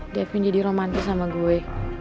davin jadi romantis sama gue